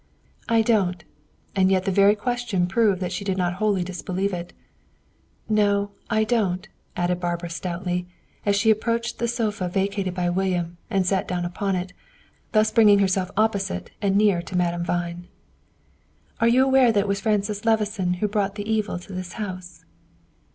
"I don't," and yet the very question proved that she did not wholly disbelieve it. "No, I don't," added Barbara, stoutly, as she approached the sofa vacated by William, and sat down upon it, thus bringing herself opposite and near to Madame Vine. "Are you aware that it was Francis Levison who brought the evil to this house?"